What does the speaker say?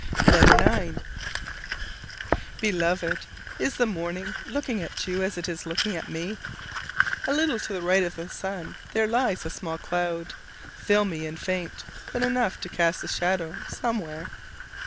LETTER IX. Beloved: Is the morning looking at you as it is looking at me? A little to the right of the sun there lies a small cloud, filmy and faint, but enough to cast a shadow somewhere.